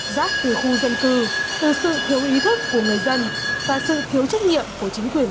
rác từ khu dân cư từ sự thiếu ý thức của người dân và sự thiếu trách nhiệm của chính quyền